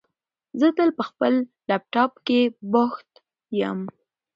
زه تل په خپل لپټاپ کېښې بوښت یم